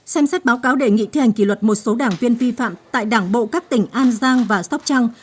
xem xét báo cáo đề nghị thi hành kỷ luật một số đảng viên vi phạm tại đảng bộ các tỉnh an giang và sóc trăng